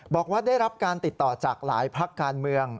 บอกว่าได้รับการติดต่อจากหลายภาคการเมือง